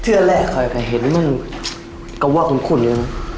เทือนแหละค่อยเห็นมันก็ว่าคุณคุณเนี่ยนะ